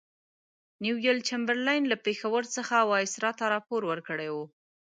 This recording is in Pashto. نیویل چمبرلین له پېښور څخه وایسرا ته راپور ورکړی وو.